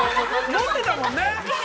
持ってたもんねー！